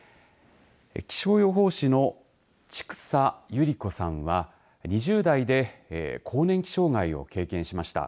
気象予報士の千種ゆり子さんは２０代で更年期障害を経験しました。